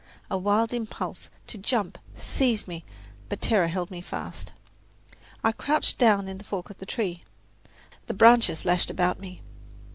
A wild impulse to jump seized me, but terror held me fast. I crouched down in the fork of the tree. The branches lashed about me.